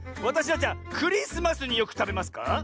わたしはじゃクリスマスによくたべますか？